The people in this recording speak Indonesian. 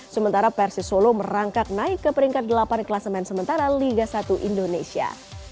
sementara persis solo merangkak naik ke peringkat delapan kelas main sementara liga satu indonesia